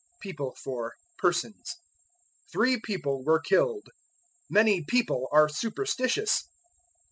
People for Persons. "Three people were killed." "Many people are superstitious."